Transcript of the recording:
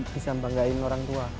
bisa banggain orang tua